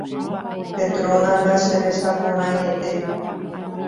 Petrona ndacherechaporãiete